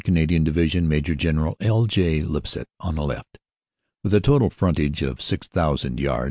Canadian Division, Maj. General L. J. Lipsett, on the left, with a total frontage of 6,000 yards.